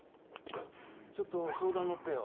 ちょっと相談乗ってよ。